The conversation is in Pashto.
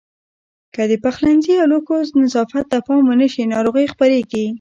که د پخلنځي او لوښو نظافت ته پام ونه شي ناروغۍ خپرېږي.